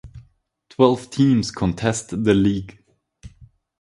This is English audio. Twelve teams contest the league.